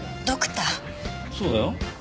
そうだよ。